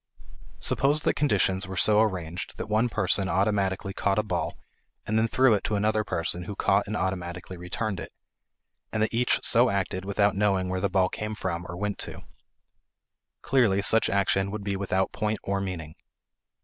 Suppose that conditions were so arranged that one person automatically caught a ball and then threw it to another person who caught and automatically returned it; and that each so acted without knowing where the ball came from or went to. Clearly, such action would be without point or meaning.